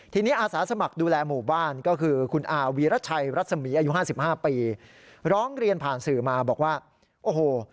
ทีนี้อาสาสมัครดูแลหมู่บ้านก็คือคุณอาวีรัชชัยรัศมีอายุห้าสิบห้าปีร้องเรียนผ่านสื่อมาบอกว่าโอ้โห